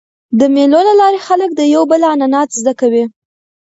د مېلو له لاري خلک د یو بل عنعنات زده کوي.